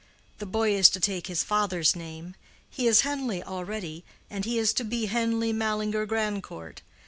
The boy is to take his father's name; he is Henleigh already, and he is to be Henleigh Mallinger Grandcourt.